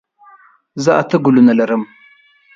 زه اته ګلونه لرم.